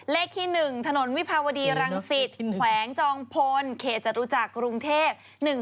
เลขที่๑ถนนวิภาวดีรังสิตแขวงจองพลเขตจัดรู้จักกรุงเทศ๑๐๙๐๐